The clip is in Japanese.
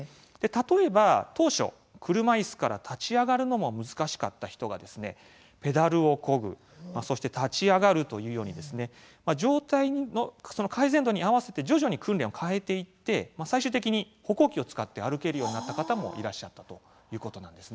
例えば当初、車いすから立ち上がるのも難しかった人がペダルをこぐ、そして立ち上がるというように状態の改善度に合わせて徐々に訓練を変えていって最終的に歩行器を使って歩けるようになった方もいらっしゃったということなんです。